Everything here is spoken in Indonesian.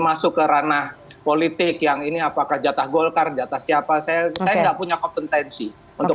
masuk ke ranah politik yang ini apakah jatah golkar jatah siapa saya saya enggak punya kompetensi untuk